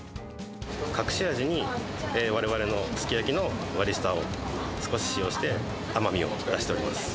隠し味に、われわれのすき焼きの割り下を少し使用して甘みを出しております。